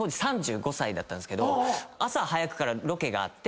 だったんですけど朝早くからロケがあって。